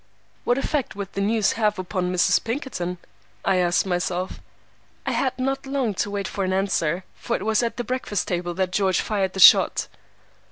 What effect would the news have upon Mrs. Pinkerton? I asked myself. I had not long to wait for an answer, for it was at the breakfast table that George fired the shot.